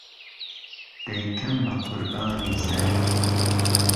دهیکهم به قوربانی سهر